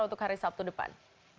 untuk hari sabtu depan